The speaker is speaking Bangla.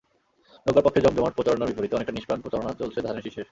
নৌকার পক্ষে জমজমাট প্রচারণার বিপরীতে অনেকটাই নিষ্প্রাণ প্রচারণা চলছে ধানের শীষের।